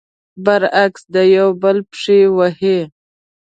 برعکس، د يو بل پښې وهي.